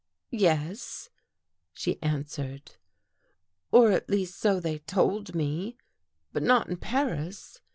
" Yes,'' she answered, " or at least so they told me. But not in Paris.